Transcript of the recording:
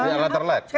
di alat terlet